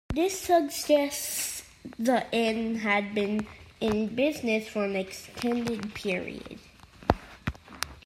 This suggests the inn had been in business for an extended period.